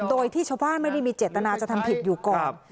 โดยที่ชาวบ้านไม่ได้มีเจตนาจะทำผิดอยู่ก่อน